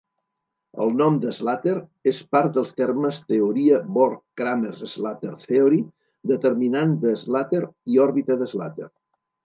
El nom de Slater és part dels termes teoria Bohr-Kramers-Slater theory, determinant de Slater i òrbita de Slater.